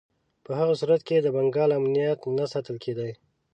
په هغه صورت کې د بنګال امنیت نه ساتل کېدی.